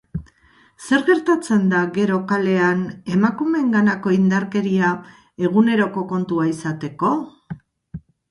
Zer gertatzen da gero kalean emakumeenganako indarkeria eguneroko kontua izateko?